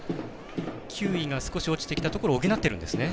球威が少し落ちたところを補っているんですね。